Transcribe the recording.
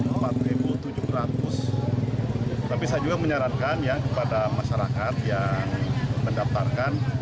tapi saya juga menyarankan ya kepada masyarakat yang mendaftarkan